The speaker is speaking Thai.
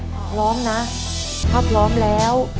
ถ้าพร้อมนะถ้าพร้อมแล้ว